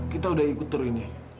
kita sudah ikut tour ini